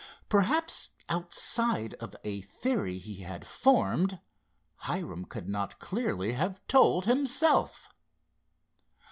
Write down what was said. Perhaps outside of a theory he had formed, Hiram could not clearly have told himself.